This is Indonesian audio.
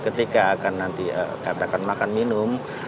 ketika akan nanti katakan makan minum